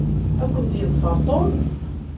Ad kent-yeḍfer Tom.